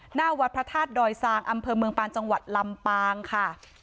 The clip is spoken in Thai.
หน้าวัดพระธาตุดอยซางอำเภอเมืองปานจังหวัดลำปางค่ะ